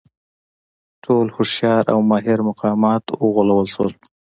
ټول هوښیار او ماهر مقامات وغولول شول.